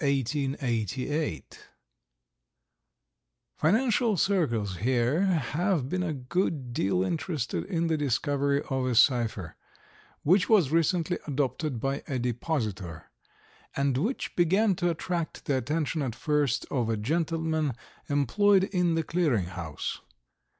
Financial circles here have been a good deal interested in the discovery of a cipher which was recently adopted by a depositor and which began to attract the attention at first of a gentleman employed in the Clearing House.